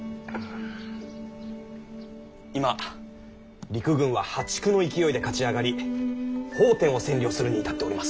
今陸軍は破竹の勢いで勝ち上がり奉天を占領するに至っております。